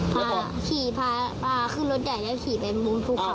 พาขี่พาป้าขึ้นรถใหญ่แล้วขี่ไปมุมภูเขา